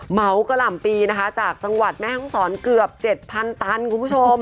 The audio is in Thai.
เหมากรัมปีนะคะจากจังหวัดแม่ฮังศรเกือบ๗๐๐๐ตันคุณผู้ชม